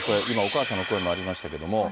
今、お母さんの声もありましたけれども。